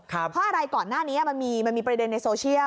เพราะอะไรก่อนหน้านี้มันมีประเด็นในโซเชียล